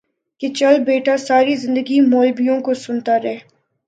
کہ چل بیٹا ساری زندگی مولبیوں کو سنتا رہ